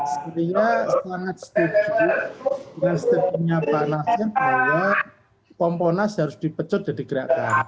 sebenarnya sangat setuju dengan step nya pak wahyu bahwa kompolnas harus dipecut dan digerakkan